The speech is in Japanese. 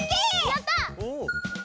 やった！